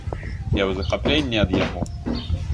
Я ў захапленні ад яго.